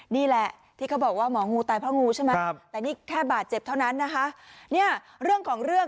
นี่แหละที่เขาบอกว่าหมองูตายเพราะงูใช่มั้ยแต่นี่แค่บาดเจ็บเท่านั้นนะคะ